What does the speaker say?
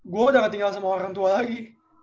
gue udah gak tinggal sama orang tua lagi